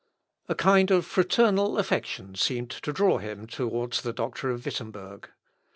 A kind of fraternal affection seemed to draw him towards the doctor of Wittemberg.